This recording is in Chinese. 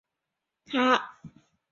他的军衔也升至上校。